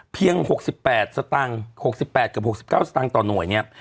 ๖๘สตางค์๖๘กับ๖๙สตางค์ต่อหน่วยเนี่ย